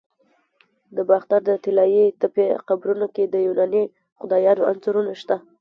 د باختر د طلایی تپې قبرونو کې د یوناني خدایانو انځورونه شته